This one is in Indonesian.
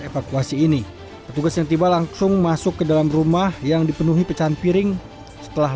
evakuasi ini petugas yang tiba langsung masuk ke dalam rumah yang dipenuhi pecahan piring setelah